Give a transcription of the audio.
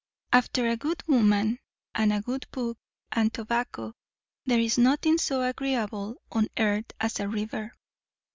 After a good woman, and a good book, and tobacco, there is nothing so agreeable on earth as a river.